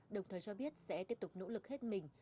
đồng thời cho biết sẽ tiếp tục nỗ lực hết mình